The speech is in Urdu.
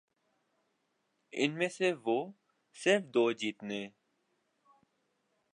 ان میں سے وہ صرف دو جیتنے